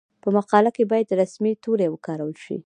په مقاله کې باید رسمي توري وکارول شي.